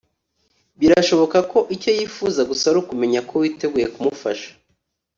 Birashoboka ko icyo yifuza gusa ari ukumenya ko witeguye kumufasha